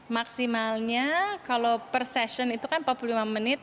maksimalnya kalau per session itu kan empat puluh lima menit